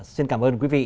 xin cảm ơn quý vị